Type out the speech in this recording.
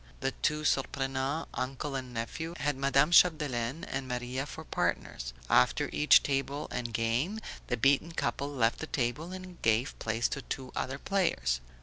The two Surprenants, uncle and nephew, had Madame Chapdelaine and Maria for partners; after each game the beaten couple left the table and gave place to two other players.